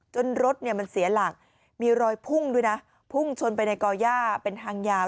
รถเนี่ยมันเสียหลักมีรอยพุ่งด้วยนะพุ่งชนไปในก่อย่าเป็นทางยาว